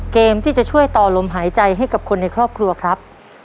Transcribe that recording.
เกมที่จะช่วยต่อลมหายใจให้กับคนในครอบครัวครับ